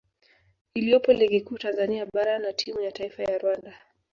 iliyopo Ligi Kuu Tanzania Bara na timu ya taifa ya Rwanda